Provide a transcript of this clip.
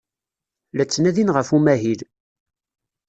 La ttnadin ɣef umahil.